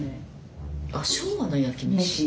あっ「昭和の焼き飯」。